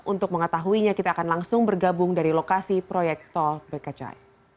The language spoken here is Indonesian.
untuk mengetahuinya kita akan langsung bergabung dari lokasi proyek tol bekacai